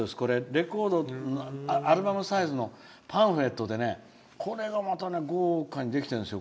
レコード、アルバムサイズのパンフレットでこれがまた豪華にできてるんです。